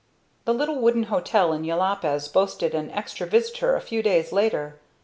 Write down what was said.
The little wooden hotel in Jopalez boasted an extra visitor a few days later.